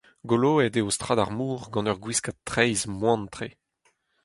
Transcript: Goloet eo strad ar mor gant ur gwiskad traezh moan-tre.